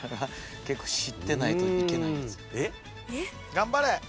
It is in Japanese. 頑張れ！